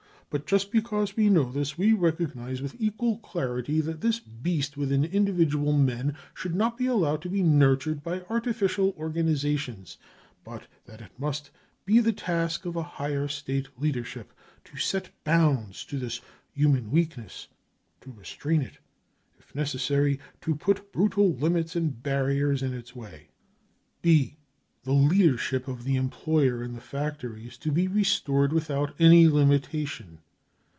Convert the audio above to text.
But just because we know this we recognise with equal clarity that this c beast 9 witlffij individual men should not be allowed to be nurtured by artificial organisations, but that it must be thir task of a higher State leadership to set bounds to # this human weakness, to restrain it, if necessary to put brutal (1) limits and barriers in its way ....." I58 BROWN BOOK OF THE HITLER TERROR B. The u leadership " of the employer in the factory is to be restored without any limitation.